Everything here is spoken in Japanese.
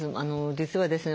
実はですね